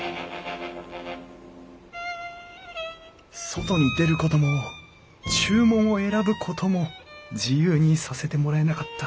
外に出ることも注文を選ぶことも自由にさせてもらえなかった